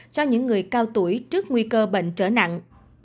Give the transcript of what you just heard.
cho những người cao tuổi trước nguy cơ bệnh trở nặng